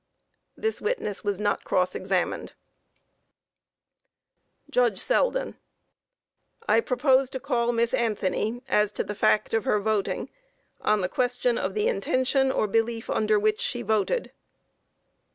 [This witness was not cross examined.] JUDGE SELDEN: I propose to call Miss Anthony as to the fact of her voting on the question of the intention or belief under which she voted.